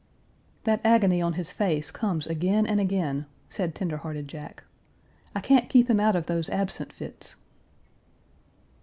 "That agony on his face comes again and again," said tender hearted Jack. "I can't keep him out of those absent fits."